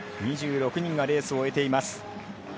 ２６人がレースを終えています。